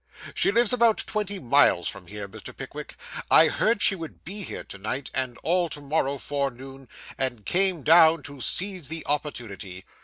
She lives about twenty miles from here, Mr. Pickwick. I heard she would be here to night and all to morrow forenoon, and came down to seize the opportunity.